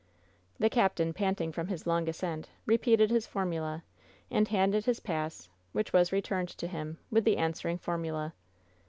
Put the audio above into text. The captain, panting from his long ascent, repeated his formula, and handed his pass, which was returned to him, with the answering formula.